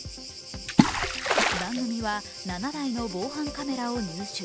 番組は７台の防犯カメラの映像を入手。